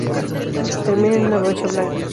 Termina en una brocha blanca.